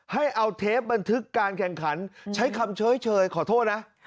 ให้เอาเทปบันทึกการแข่งขันใช้คำเฉยขอโทษนะ